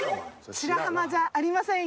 白浜じゃありませんよ。